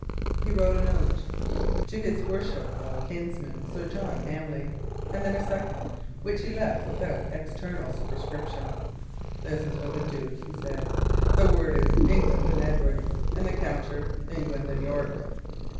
He wrote a note "to his worshipful kinsman, Sir John Hamley;" and then a second, which he left without external superscripture. "This is for the duke," he said. "The word is 'England and Edward,' and the counter, 'England and York.'"